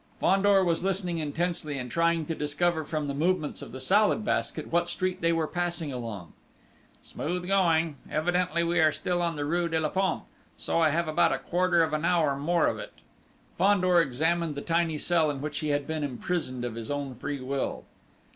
Fandor was listening intensely and trying to discover from the movements of the Salad Basket what street they were passing along. "Smooth going ... evidently we are still in the rue de la Pompe, so I have about a quarter of an hour more of it!" Fandor examined the tiny cell in which he had been imprisoned of his own free will.